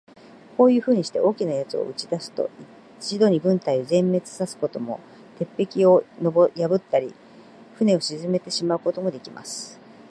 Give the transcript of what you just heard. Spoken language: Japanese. こういうふうにして、大きな奴を打ち出すと、一度に軍隊を全滅さすことも、鉄壁を破ったり、船を沈めてしまうこともできます。